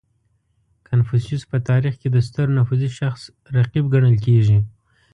• کنفوسیوس په تاریخ کې د ستر نفوذي شخص رقیب ګڼل کېږي.